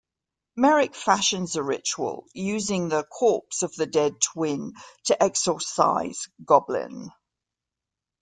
Merrick fashions a ritual, using the corpse of the dead twin, to exorcise Goblin.